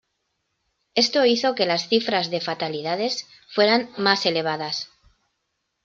Esto hizo que las cifras de fatalidades fueran más elevadas.